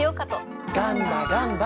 ガンバガンバ！